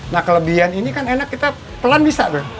nah kelebihan ini kan enak kita pelan bisa dong